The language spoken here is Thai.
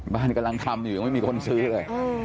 กำลังทำอยู่ยังไม่มีคนซื้อเลย